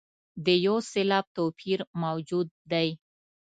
د یو سېلاب توپیر موجود دی.